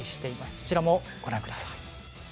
そちらもご覧ください。